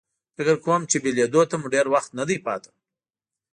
فکر کوم چې له بېلېدو ته مو ډېر وخت نه دی پاتې.